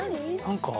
何か。